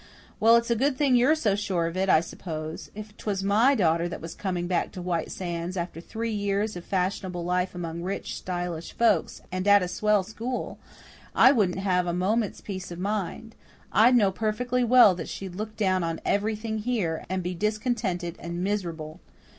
"Well, it's a good thing you're so sure of it, I suppose. If 'twas my daughter that was coming back to White Sands, after three years of fashionable life among rich, stylish folks, and at a swell school, I wouldn't have a minute's peace of mind. I'd know perfectly well that she'd look down on everything here, and be discontented and miserable."